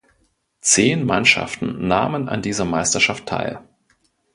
Zehn Mannschaften nahmen an dieser Meisterschaft teil.